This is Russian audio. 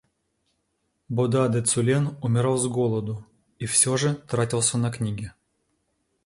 Бода Де Цулен умирал с голоду и все же тратился на книги.